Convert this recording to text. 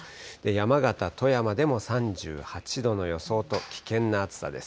山形、富山でも３８度の予想と、危険な暑さです。